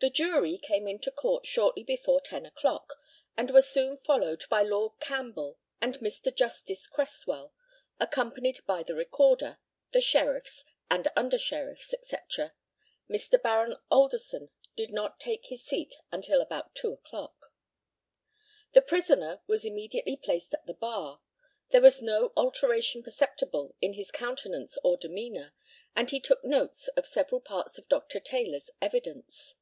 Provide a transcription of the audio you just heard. The jury came into Court shortly before ten o'clock, and were soon followed by Lord Campbell and Mr. Justice Cresswell, accompanied by the Recorder, the Sheriffs and Under Sheriffs, &c. Mr. Baron Alderson did not take his seat until about two o'clock. The prisoner was immediately placed at the bar. There was no alteration perceptible in his countenance or demeanour, and he took notes of several parts of Dr. Taylor's evidence.